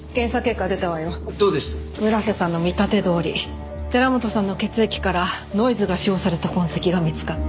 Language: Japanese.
村瀬さんの見立てどおり寺本さんの血液からノイズが使用された痕跡が見つかった。